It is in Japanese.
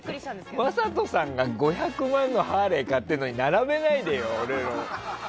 魔裟斗さんが５００万のハーレー買ってるのに並べないでよ、俺の。